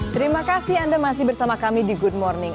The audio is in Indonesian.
terima kasih anda masih bersama kami di good morning